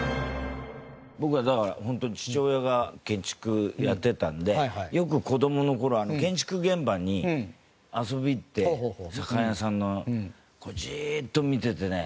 僕はだからホントに父親が建築やってたんでよく子供の頃建築現場に遊びに行って左官屋さんのじーっと見ててね。